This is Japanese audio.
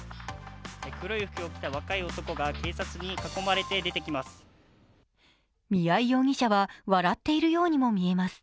黒い服を着た若い男が警察に囲まれて出てきます。